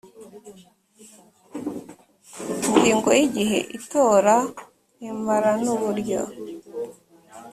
ingingo ya igihe itora rimara n uburyo